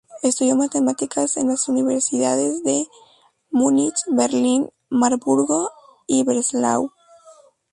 Estudió matemáticas en las universidades de Múnich, Berlín, Marburgo y Breslau.